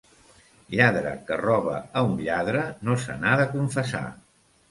Lladre que roba a un lladre no se n'ha de confessar.